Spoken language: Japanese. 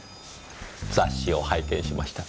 雑誌を拝見しました。